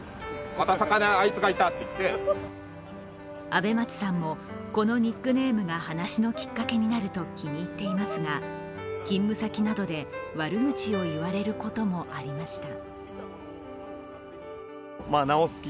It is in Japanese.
あべ松さんもこのニックネームが話のきっかけになると気に入っていますが勤務先などで悪口を言われることもありました。